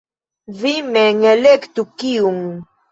Vi mem elektu, kiun.